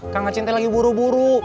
kang acing teh lagi buru buru